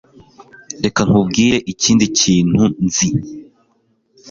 Reka nkubwire ikindi kintu nzi.